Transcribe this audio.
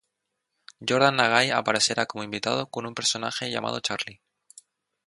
Jordan Nagai aparecerá como invitado con un personaje llamado Charlie.